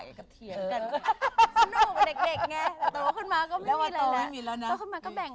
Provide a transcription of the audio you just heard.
อยากกับเที่ยวกัน